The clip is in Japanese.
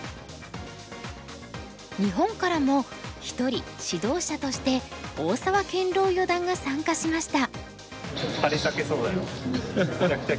日本からも一人指導者として大澤健朗四段が参加しました。